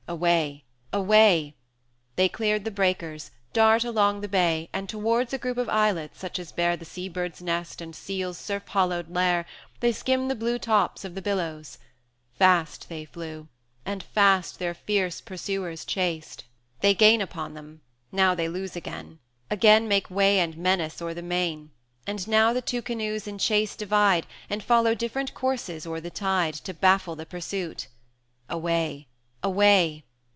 Away! away! They cleared the breakers, dart along the bay, And towards a group of islets, such as bear The sea bird's nest and seal's surf hollowed lair, They skim the blue tops of the billows; fast They flew, and fast their fierce pursuers chased. 230 They gain upon them now they lose again, Again make way and menace o'er the main; And now the two canoes in chase divide, And follow different courses o'er the tide, To baffle the pursuit. Away! away!